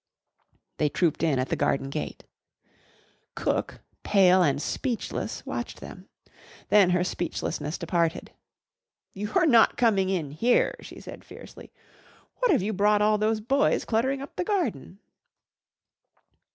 They trooped in at the garden gate. Cook, pale and speechless, watched them. Then her speechlessness departed. "You're not coming in here!" she said fiercely. "What've you brought all those boys cluttering up the garden?"